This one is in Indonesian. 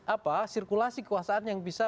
apa sirkulasi kekuasaan yang bisa